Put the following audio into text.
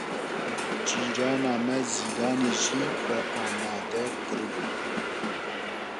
Cîrana me Zîlanê jî xwe amade kiribû.